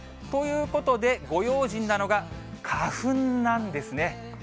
ということで、ご用心なのが花粉なんですね。